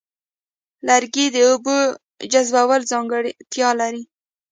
لرګي د اوبو جذبولو ځانګړتیا لري.